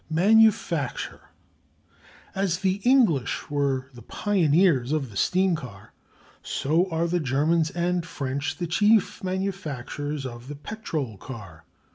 Manufacture. As the English were the pioneers of the steam car, so are the Germans and French the chief manufacturers of the petrol car.